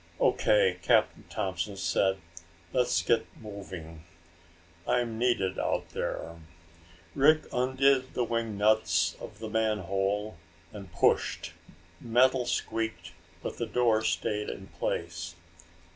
"O.K.," Captain Thompson said. "Let's get moving. I'm needed out there!" Rick undid the wing nuts on the manhole and pushed. Metal squeaked, but the door stayed in place.